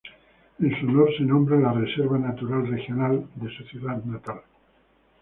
En su honor se nombra la "Reserva Natural Regional", de su ciudad natal.